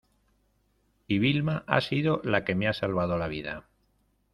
y Vilma ha sido la que me ha salvado la vida.